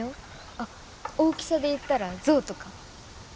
あっ大きさで言ったらゾウとか？